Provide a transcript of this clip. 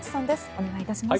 お願いいたします。